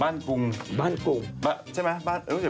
บ้านกรุงใช่ไหมรู้สึกจะเป็นบ้านกรุงเลย